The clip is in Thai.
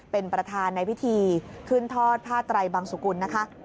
เป็นประธานในพิธีขึ้นทอดผ้าไตรบังสุกุลนะคะ